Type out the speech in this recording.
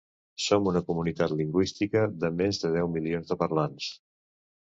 Som una comunitat lingüística de més de deu milions de parlants.